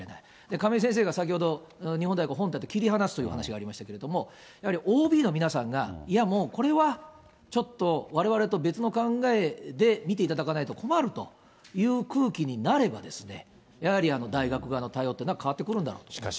亀井先生が先ほど、日本大学、本体と切り離すという話がありましたけれども、やはりＯＢの皆さんが、いやもう、これはちょっとわれわれと別の考えで見ていただかないと、困るという空気になれば、やはり大学側の対応っていうのは、変わってくるんだと思います。